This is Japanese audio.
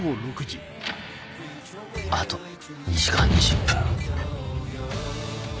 あと２時間２０分。